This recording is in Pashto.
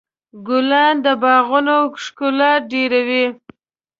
ګلان د باغونو ښکلا ډېروي.